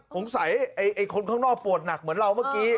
ไอ้คนข้างนอกปวดหนักเหมือนเราเมื่อกี้